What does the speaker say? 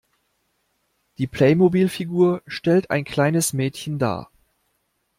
Die Playmobilfigur stellt ein kleines Mädchen dar.